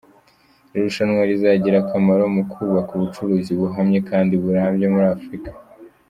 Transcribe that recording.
Iri rushanwa rizagira akamaro mu kubaka ubucuruzi buhamye kandi burambye muri Afrika.